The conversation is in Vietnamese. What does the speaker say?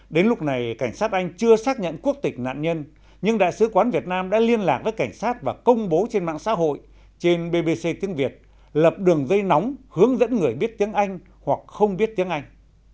đến lúc này cảnh sát anh chưa xác nhận quốc tịch nạn nhân nhưng đại sứ quán việt nam đã liên lạc với cảnh sát và công bố trên mạng xã hội trên bbc tiếng việt lập đường dây nóng hướng dẫn người biết tiếng anh hoặc không biết tiếng anh